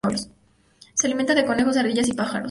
Se alimenta de conejos, ardillas y pájaros.